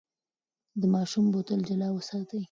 د ماشوم بوتل جلا وساتئ.